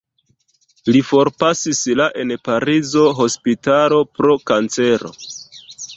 Li forpasis la en pariza hospitalo pro kancero.